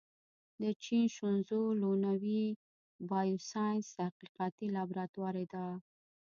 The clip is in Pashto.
د چین شینزو لونوي بایوساینس تحقیقاتي لابراتوار ادعا